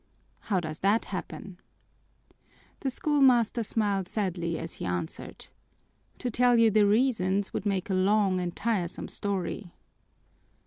"How does that happen?" The schoolmaster smiled sadly as he answered, "To tell you the reasons would make a long and tiresome story."